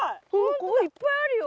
ここいっぱいあるよ